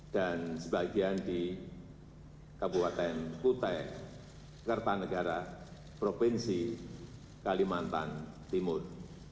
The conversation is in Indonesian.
dan sebagian di kabupaten kutai kertanegara provinsi kalimantan timur